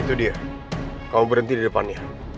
itu dia kamu berhenti di depannya